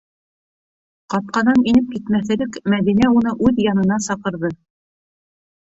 Ҡапҡанан инеп китмәҫ элек, Мәҙинә уны үҙ янына саҡырҙы: